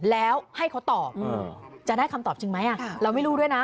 แล้วให้เขาตอบจะได้คำตอบจริงไหมเราไม่รู้ด้วยนะ